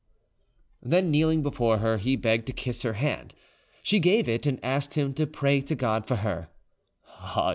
Then kneeling before her, he begged to kiss her hand. She gave it, and asked him to pray to God for her.